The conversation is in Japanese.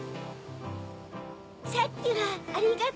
さっきはありがとう！